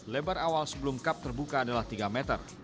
lebar awal sebelum kap terbuka adalah tiga meter